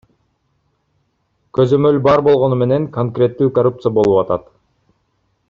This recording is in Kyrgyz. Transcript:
Көзөмөл бар болгону менен конкреттүү коррупция болуп атат.